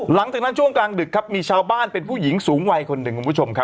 หลังจากนั้นช่วงกลางดึกมีชาวบ้านเป็นผู้หญิงสูงวัยคนหนึ่ง